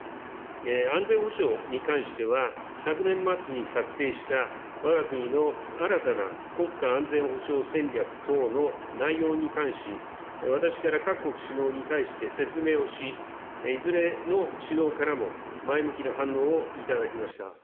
安全保障に関しては、昨年末に策定したわが国の新たな国家安全保障戦略等の内容に関し、私から各国首脳に対して説明をし、いずれの首脳からも前向きな反応をいただきました。